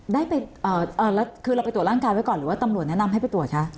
ได้ไปแล้วคือเราไปตรวจร่างกายไว้ก่อนหรือว่าตำรวจแนะนำให้ไปตรวจคะ